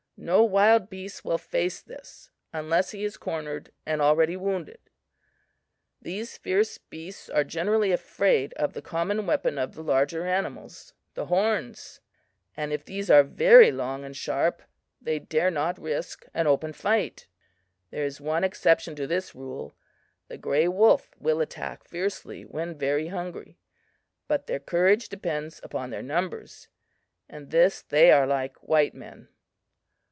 No wild beast will face this unless he is cornered and already wounded, These fierce beasts are generally afraid of the common weapon of the larger animals the horns, and if these are very long and sharp, they dare not risk an open fight. "There is one exception to this rule the grey wolf will attack fiercely when very hungry. But their courage depends upon their numbers; in this they are like white men.